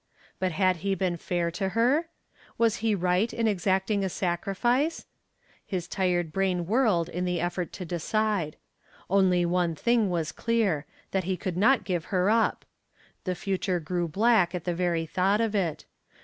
But had he been fair to her? Was he right in exacting a sacrifice? His tired brain whirled in the effort to decide. Only one thing was clear that he could not give her up. The future grew black at the very thought of it.